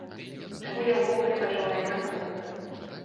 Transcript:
Чаму я ўвогуле пачаў займацца музыкай?